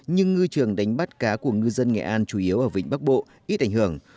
nhưng ngư trường đánh bắt cá của ngư dân nghệ an chủ yếu ở vịnh bắc bộ ít ảnh hưởng